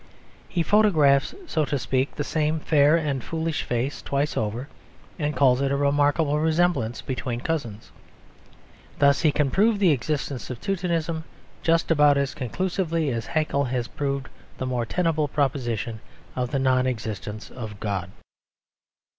He photographs, so to speak, the same fair and foolish face twice over; and calls it a remarkable resemblance between cousins. Thus he can prove the existence of Teutonism just about as conclusively as Haeckel has proved the more tenable proposition of the non existence of God.